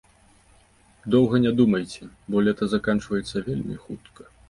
Доўга не думайце, бо лета заканчваецца вельмі хутка.